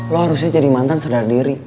lu harusnya jadi mantan sedar diri